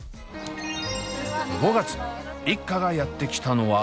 ５月一家がやって来たのは。